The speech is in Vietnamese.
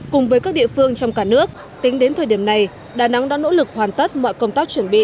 cùng với các địa phương trong cả nước tính đến thời điểm này đà nẵng đã nỗ lực hoàn tất mọi công tác chuẩn bị